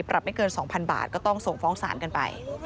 ไม่เกิน๒๐๐๐บาทก็ต้องส่งฟ้องศาลกันไป